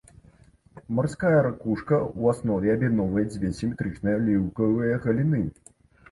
Марская ракушка ў аснове аб'ядноўвае дзве сіметрычных аліўкавыя галіны.